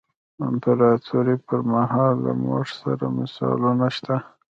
د امپراتورۍ پرمهال له موږ سره مثالونه شته.